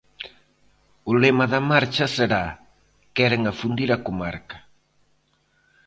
O lema da marcha será queren afundir a comarca.